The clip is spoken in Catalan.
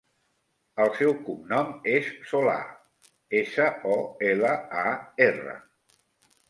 El seu cognom és Solar: essa, o, ela, a, erra.